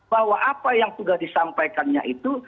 bahwa apa yang sudah disampaikannya itu